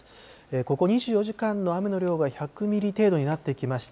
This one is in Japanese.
ここ２４時間の雨の量が１００ミリ程度になってきました。